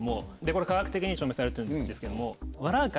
これ科学的に証明されてるんですけども。